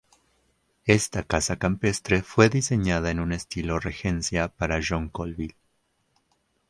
Esta casa campestre fue diseñada en un Estilo Regencia para John Colville.